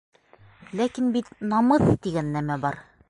Ләкин бит намыҫ тигән нәмә бар!